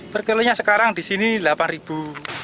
per kilonya sekarang di sini delapan ribu